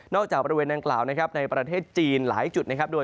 จากบริเวณดังกล่าวนะครับในประเทศจีนหลายจุดนะครับ